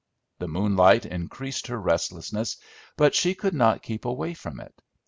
The moonlight increased her restlessness, but she could not keep away from it.